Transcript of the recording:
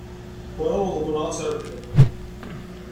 Ur awen-ḍemmneɣ ad trebḥem.